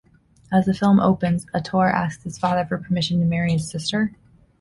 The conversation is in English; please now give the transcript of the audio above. As the film opens Ator asks his father for permission to marry his sister.